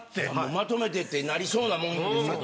まとめてってなりそうなもんですけどね。